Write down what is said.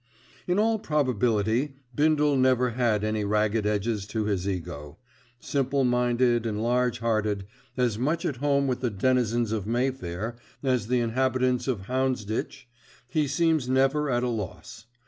In all probability Bindle never had any ragged edges to his ego. Simple minded and large hearted, as much at home with the denizens of Mayfair as the inhabitants of Hounsditch, he seems never at a loss.